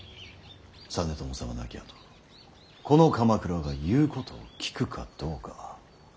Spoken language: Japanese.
実朝様亡きあとこの鎌倉が言うことを聞くかどうか。